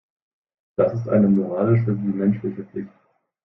Das ist eine moralische wie menschliche Pflicht.